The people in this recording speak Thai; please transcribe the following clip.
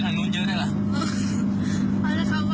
เฮ้ยเศรษฐ์ไปถังนู้นเยอะใช่หรอ